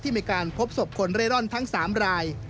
ที่มีการพบศพคนเรร่อนทั้งสามราย